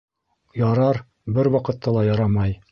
«Ярар» бер ваҡытта ла ярамай